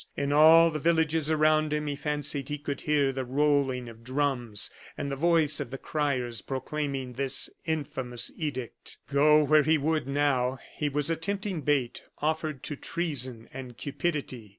In all the villages around him he fancied he could hear the rolling of drums, and the voice of the criers proclaiming this infamous edict. Go where he would now, he was a tempting bait offered to treason and cupidity.